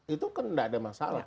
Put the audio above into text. itu kan tidak ada masalah